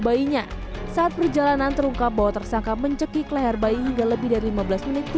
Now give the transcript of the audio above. bayinya saat perjalanan terungkap bahwa tersangka mencekik leher bayi hingga lebih dari lima belas menit di